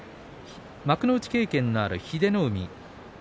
幕内経験のある英乃海。